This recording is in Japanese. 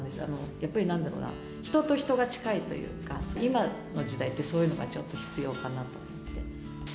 やっぱり、なんだろうな、人と人が近いというか、今の時代って、そういうのがちょっと必要かなと思って。